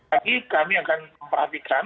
lagi kami akan memperhatikan